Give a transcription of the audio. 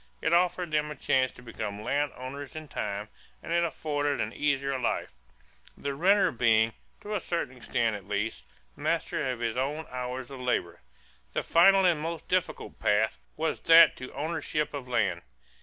It offered them a chance to become land owners in time and it afforded an easier life, the renter being, to a certain extent at least, master of his own hours of labor. The final and most difficult path was that to ownership of land.